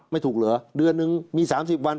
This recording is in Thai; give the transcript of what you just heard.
ไม่ถูกเหรอเดือนนึงมี๓๐วัน